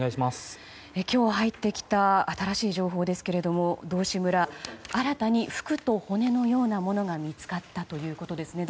今日、入ってきた新しい情報ですけど道志村、新たに服と骨のようなものが見つかったということですね。